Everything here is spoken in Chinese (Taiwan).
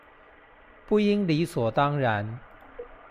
不應理所當然